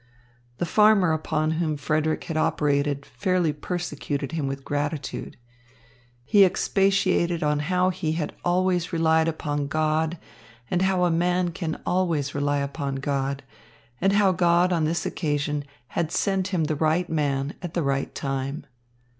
The farmer upon whom Frederick had operated fairly persecuted him with gratitude. He expatiated upon how he had always relied upon God and how a man always can rely upon God, and how God on this occasion had sent him the right man at the right time.